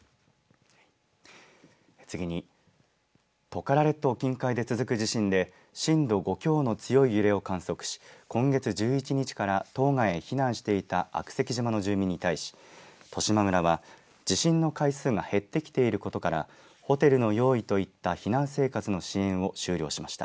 次にトカラ列島近海で続く地震で震度５強の強い揺れを観測し今月１１日から島外へ避難していた悪石島の住民に対し十島村は地震の回数が減ってきていることからホテルの用意といった避難生活の支援を終了しました。